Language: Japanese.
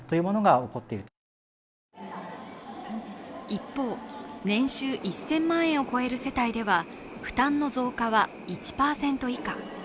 一方、年収１０００万円を超える世帯では、負担の増加は１％以下。